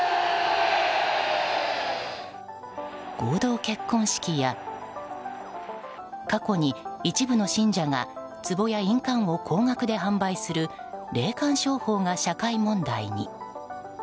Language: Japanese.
合同結婚式や過去に一部の信者がつぼや印鑑を高額で販売する霊感商法が社会問題に。